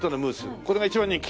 これが一番人気！